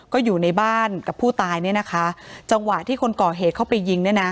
ก็อยู่ในบ้านกับผู้ตายเนี่ยนะคะจังหวะที่คนก่อเหตุเข้าไปยิงเนี่ยนะ